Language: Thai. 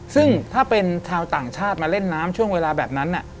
ซึ่งถ้าเป็นชาวต่างชาติมาเล่นน้ำช่วงเวลาแบบนั้น